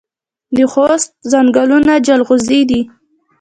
د خوست ځنګلونه جلغوزي دي